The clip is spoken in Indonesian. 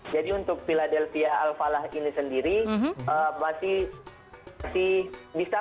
jadi untuk philadelphia al falah ini sendiri ini adalah masjid yang lebih besar